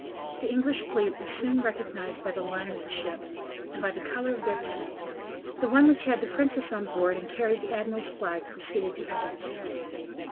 The English fleet was soon recognized by the line of the ships, and by the color of their pennants; the one which had the princess on board and carried the admiral's flag preceded the others.